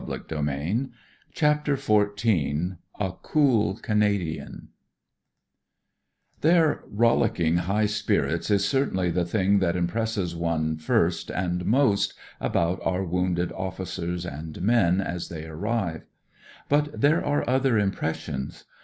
I ■ CHAPTER XIV A COOL CANADIAN Their rollicking high spirits is certainly the thing that impresses one first and most about our wounded officers and men as they arrive. But there are other impressions.